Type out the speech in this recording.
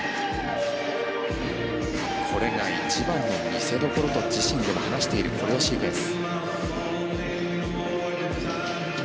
これが一番の見せどころと自ら話しているコレオシークエンス。